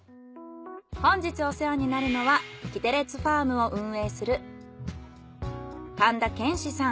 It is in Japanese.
本日お世話になるのはキテレツファームを運営する。